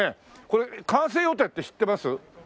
これ完成予定って知ってます？